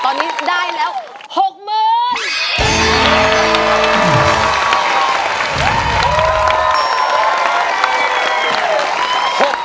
ตอนนี้ได้แล้ว๖หมื่น